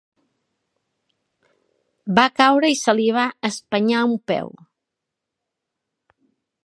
Va caure i se li va espenyar un peu.